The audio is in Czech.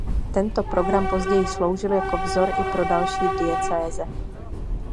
Tento program později sloužil jako vzor i pro další diecéze.